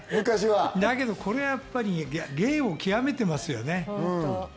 だけど、これはやっぱり芸をきわめてますよね。